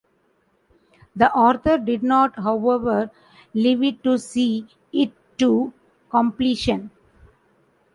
The author did not, however, live to see it to completion.